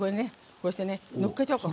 こうしてのっけちゃうから。